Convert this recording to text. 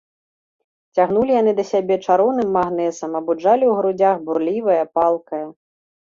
Цягнулі яны да сябе чароўным магнэсам, абуджалі ў грудзях бурлівае, палкае.